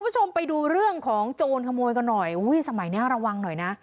คุณผู้ชมไปดูเรื่องของโจรขโมยกันหน่อยอุ้ยสมัยเนี้ยระวังหน่อยนะ